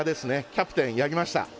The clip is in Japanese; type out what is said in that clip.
キャプテン、やりました！